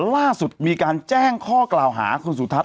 ล่าสุดมีการแจ้งข้อกล่าวหาคุณสุทัศ